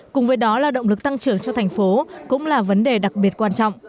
cùng với đó là động lực tăng trưởng cho thành phố cũng là vấn đề đặc biệt quan trọng